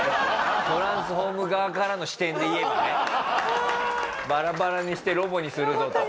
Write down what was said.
トランスフォーム側からの視点でいえばねバラバラにしてロボにするぞと。